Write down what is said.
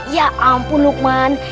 ya ampun lukman